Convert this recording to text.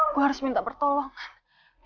gue harus minta pertolongan